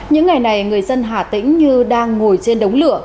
những ngày này người dân hà tĩnh như đang ngồi trên đống lửa